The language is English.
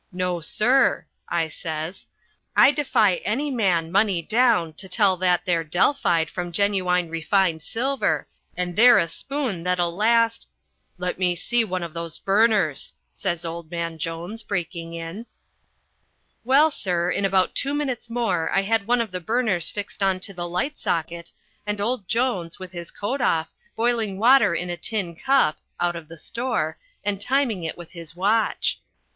No, sir," I says, "I defy any man, money down, to tell that there Delphide from genuine refined silver, and they're a spoon that'll last " "Let me see one of those burners," says old man Jones, breaking in. Well, sir, in about two minutes more, I had one of the burners fixed on to the light socket, and old Jones, with his coat off, boiling water in a tin cup (out of the store) and timing it with his watch.